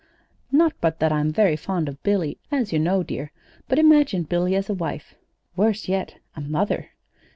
"Not but that I'm very fond of Billy, as you know, dear; but imagine Billy as a wife worse yet, a mother!